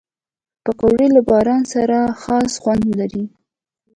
پکورې له باران سره خاص خوند لري